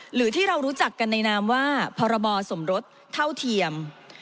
หรือที่เรารู้จักกันในนามว่าพรบสมรสเท่าเทียม